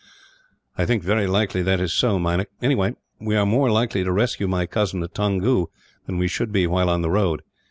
"I think very likely that is so, Meinik. Anyhow, we are more likely to rescue my cousin, at Toungoo, than we should be while on the road.